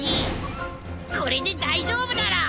これで大丈夫だろ！